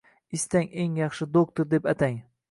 istang eng yaxshi doktor, deb atang.